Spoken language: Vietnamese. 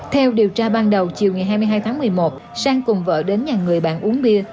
theo điều tra ban đầu chiều ngày hai mươi hai tháng một mươi một sang cùng vợ đến nhà người bạn uống bia